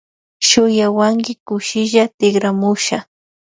Shuyawanki kutsilla tikramusha.